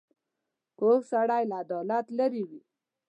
کوږ سړی له عدالت لیرې وي